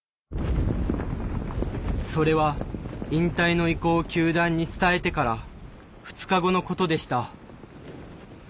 それは引退の意向を球団に伝えてから２日後のことでした。